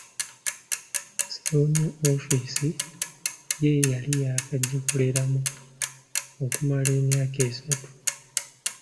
Ssebunya ofiice ye yali yaakagikoleramu okumala emyaka esatu.